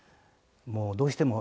もうどうしても。